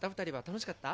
楽しかった？